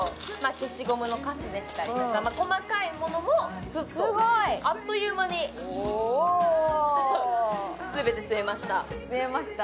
消しゴムのカスでしたりとか細かいものもスッとすごい！あっという間にすべて吸えました